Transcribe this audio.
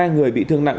hai người bị thương nặng